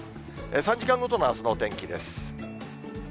３時間ごとのあすのお天気です。